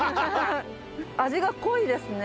味が濃いですね。